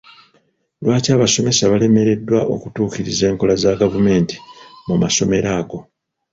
Lwaki abasomesa balemeddwa okutuukiriza enkola za gavumenti mu masomero ago?